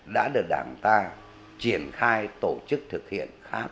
đã được đảng ta triển khai tổ chức thực hiện